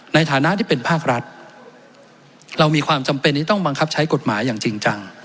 ในฐานะที่เป็นภาครัฐเรามีความจำเป็นที่ต้องบังคับใช้กฎหมายอย่างจริงจัง